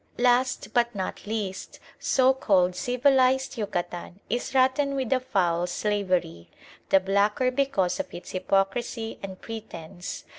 Last, but not least, so called civilised Yucatan is rotten with a foul slavery, the blacker because of its hypocrisy and pretence.